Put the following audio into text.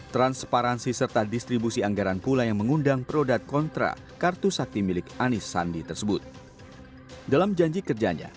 transparansi serta distribusi anggaran pula yang mengundang produk konsumen